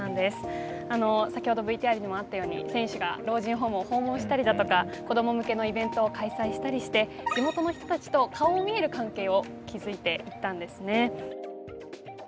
先ほどＶＴＲにもあったように選手が老人ホームを訪問したりだとか子供向けのイベントを開催したりして地元の人たちと顔の見える関係を築いていったんですね。